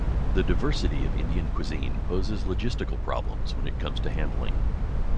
The diversity of Indian cuisine poses logistical problems when it comes to handling.